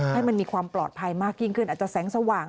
ให้มันมีความปลอดภัยมากยิ่งขึ้นอาจจะแสงสว่าง